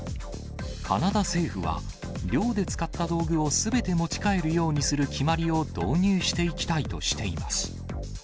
カナダ政府は、漁で使った道具をすべて持ち帰るようにする決まりを導入していきたいとしています。